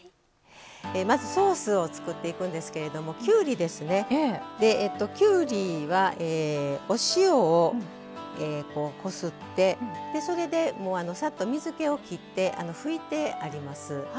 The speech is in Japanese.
まず、ソースを作っていくんですけれどもきゅうりは、お塩をこすってそれで、さっと水けをきって拭いてあります。